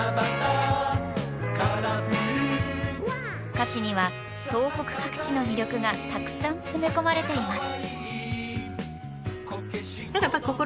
歌詞には東北各地の魅力がたくさん詰め込まれています